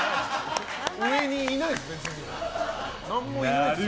上にいないです、別に。